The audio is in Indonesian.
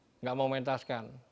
tidak mau mementaskan